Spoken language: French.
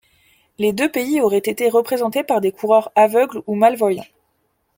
Les deux pays auraient été représentés par des coureurs aveugles ou malvoyants.